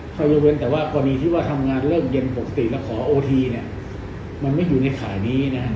ข้อยกเว้นแต่ว่ากรณีที่ว่าทำงานเริ่มเย็นปกติและขอโอทีมันไม่อยู่ในข่านี้